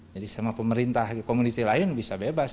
jadi sama pemerintah komoditi lain bisa bebas